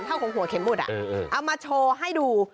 เท่าของหัวเข็มหมดเอามาโชว์ให้ดู